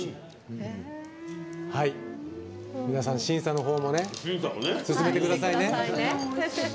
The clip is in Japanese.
皆さん、審査のほうも進めてくださいね。